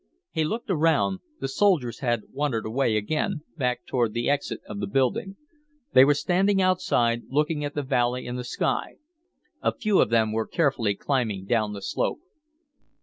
He looked around. The soldiers had wandered away again, back toward the exit of the building. They were standing outside, looking at the valley and the sky. A few of them were carefully climbing down the slope.